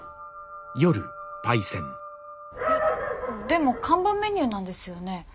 でも看板メニューなんですよね？